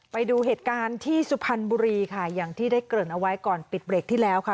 ไปดูเหตุการณ์ที่สุพรรณบุรีค่ะอย่างที่ได้เกริ่นเอาไว้ก่อนปิดเบรกที่แล้วค่ะ